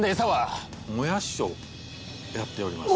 もやしをやっております。